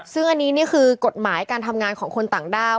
ซึ่งอันนี้นี่คือกฎหมายการทำงานของคนต่างด้าว